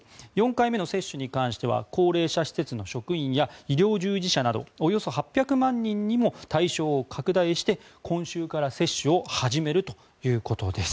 ４回目の接種に関しては高齢者施設の職員や医療従事者などおよそ８００万人にも対象を拡大して今週から接種を始めるということです。